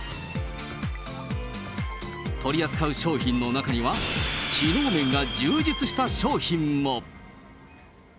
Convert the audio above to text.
取り扱う商品の中には、機能面が充実した商品も。